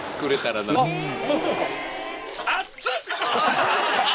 熱い！